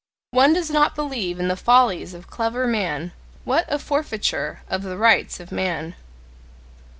One does not believe in the follies of clever men: what a forfeiture of the rights of man!